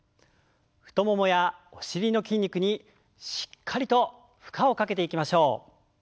太ももやお尻の筋肉にしっかりと負荷をかけていきましょう。